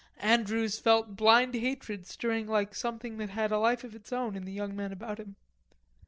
Andrews felt blind hatred stirring like something that had a life of its own in the young men about him.